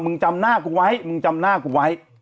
จำหน้ากูไว้มึงจำหน้ากูไว้